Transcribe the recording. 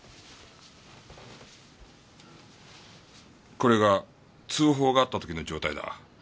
これが通報があった時の状態だ。